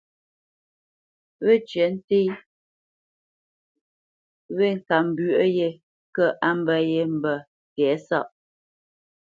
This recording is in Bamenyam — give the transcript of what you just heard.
Wécyə̌ té wé ŋkambwə̌ yē kə̂ á mbə̄ yé mbə̄ tɛ̌sáʼ.